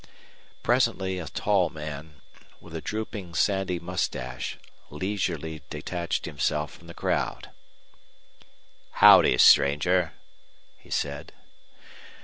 Presently a tall man, with a drooping, sandy mustache, leisurely detached himself from the crowd. "Howdy, stranger," he said.